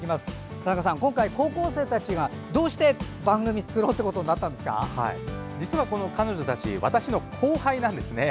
田中さん、今回高校生たちがどうして番組をつくろうってことに実は、彼女たち私の後輩なんですね。